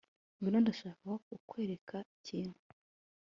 Ngwino Ndashaka kukwereka ikintu